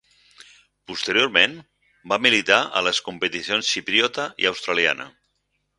Posteriorment, va militar a les competicions xipriota i australiana.